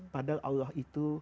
padahal allah itu